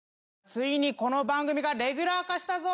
ついにこの番組がレギュラー化したぞ！